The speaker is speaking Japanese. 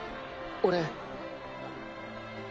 俺。